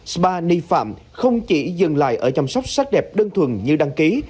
spa nghi phạm không chỉ dừng lại ở chăm sóc sắc đẹp đơn thuần như đăng ký